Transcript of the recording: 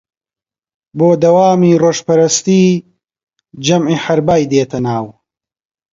بۆ دەوامی ڕۆژپەرستی جەمعی حەربای دێتە ناو